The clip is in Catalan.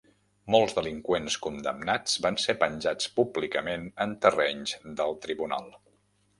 Molts delinqüents condemnats van ser penjats públicament en terrenys del tribunal.